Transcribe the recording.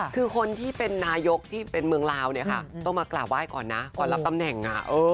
คือคนที่เป็นนายกที่เป็นเมืองลาวเนี่ยค่ะต้องมากราบไหว้ก่อนนะก่อนรับตำแหน่ง